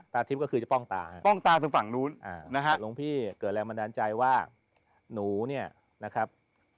ตาทิพย์ก็คือจะป้องตาป้องตาทางฝั่งนู้นนะฮะหลวงพี่เกิดแรงบันดาลใจว่าหนูเนี่ยนะครับ